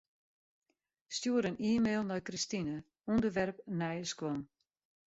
Stjoer in e-mail nei Kristine, ûnderwerp nije skuon.